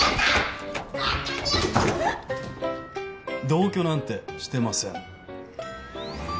同居なんてしてません。